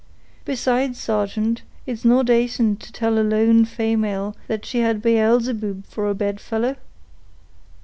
Besides, sargeant, it's no dacent to tell a lone famale that she had Beelzeboob for a bedfellow."